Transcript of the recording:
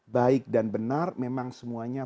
baik dan benar memang semuanya